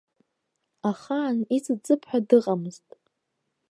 Ахаан иҵыҵып ҳәа дыҟаӡамызт!